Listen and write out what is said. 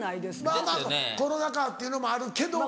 まぁまぁコロナ禍っていうのもあるけども。